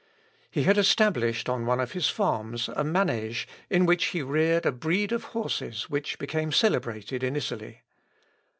He had established on one of his farms a manêge in which he reared a breed of horses which became celebrated in Italy.